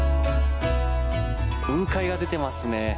雲海が出てますね。